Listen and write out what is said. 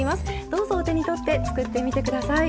どうぞお手に取って作ってみて下さい。